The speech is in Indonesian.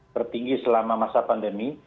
tertinggi selama masa pandemi